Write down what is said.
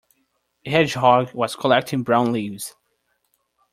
A hedgehog was collecting brown leaves.